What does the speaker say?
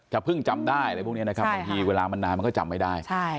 จะเพิ่งจำได้เลยพวกเนี่ยนะครับใช่ค่ะบางทีเวลามันนานมันก็จำไม่ได้ใช่